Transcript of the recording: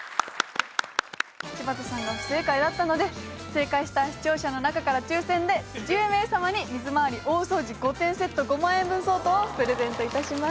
柴田さんが不正解だったので正解した視聴者の中から抽選で１０名様に水回り大掃除５点セット５万円分相当をプレゼント致します。